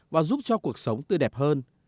và giúp cho cuộc sống tư đẹp hơn